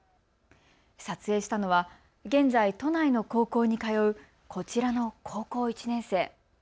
撮影したのは現在、都内の高校に通うこちらの高校１年生。